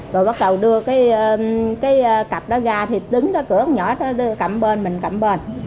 rồi bắt đầu đưa cái cặp đó ra thì đứng ra cửa ống nhỏ đó cầm bên mình cầm bên